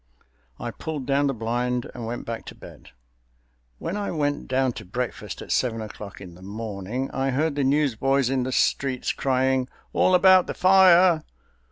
I pulled down the blind and went back to bed. When I went down to breakfast at seven o'clock in the morning, I heard the newsboys in the streets crying, "All about the fire!"